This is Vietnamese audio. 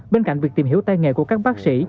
bên cạnh việc tìm hiểu tay nghề của các bác sĩ